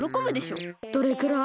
どれくらい？